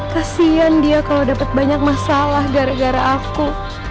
kasian dia kalau dapat banyak masalah gara gara aku